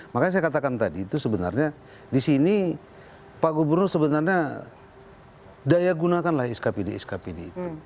makanya saya katakan tadi itu sebenarnya di sini pak gubernur sebenarnya daya gunakanlah skpd skpd itu